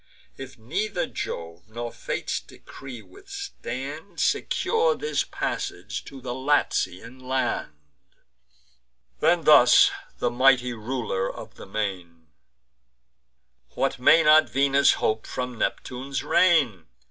If neither Jove's nor Fate's decree withstand, Secure his passage to the Latian land." Then thus the mighty Ruler of the Main: "What may not Venus hope from Neptune's reign?